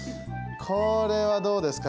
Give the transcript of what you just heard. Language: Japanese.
これはどうですか？